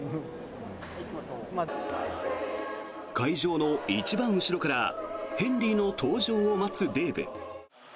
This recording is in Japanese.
会場の一番後ろからヘンリーの登場を待つデーブ。